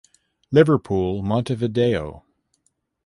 Liverpool Montevideo